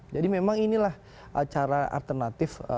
jadi memang inilah cara alternatif